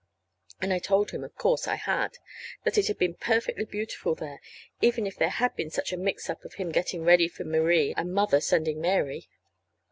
And I told him, of course, I had; that it had been perfectly beautiful there, even if there had been such a mix up of him getting ready for Marie, and Mother sending Mary.